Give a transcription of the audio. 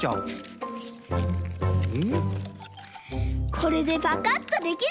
これでパカッとできる！